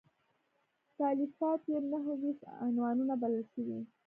تالیفات یې نهه ویشت عنوانه بلل شوي.